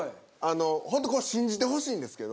ほんとこれ信じてほしいんですけど。